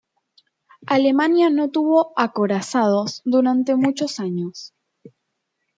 Alemania no tuvo acorazados durante muchos años.